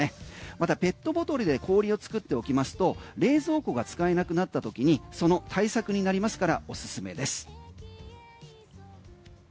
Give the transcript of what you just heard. またペットボトルで氷を作っておきますと、冷蔵庫が使えなくなったときにその対策になりますからおすすめです。